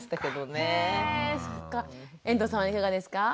遠藤さんはいかがですか？